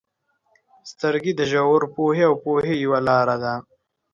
• سترګې د ژور پوهې او پوهې یوه لاره ده.